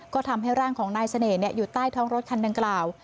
ก็ทำให้ร่างของนายเสน่ห์อยู่ใต้ท้องรถคันดังกล่าว